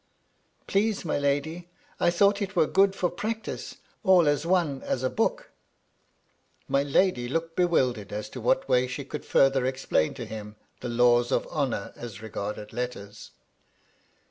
"Please, my lady, I thought it were good for practice, all as one as a book." My lady looked bewildered as to what way she could farther explain to him the laws of honour as regarded letters.